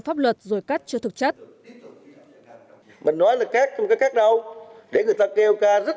pháp luật rồi cắt chưa thực chất